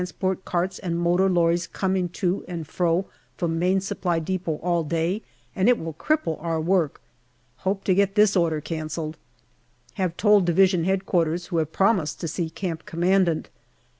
T. carts and motor lorries coming to and fro from Main Supply depot all day, and it will cripple our work. Hope to get this order cancelled. Have told D.H.Q., who have promised to see Camp Commandant.